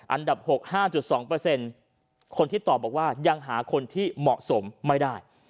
อันดับ๖๕๒คนที่ตอบบอกว่ายังหาคนที่เหมาะสมไม่ได้